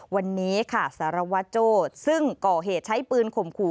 วันนี้ค่ะสารวัตรโจ้ซึ่งก่อเหตุใช้ปืนข่มขู่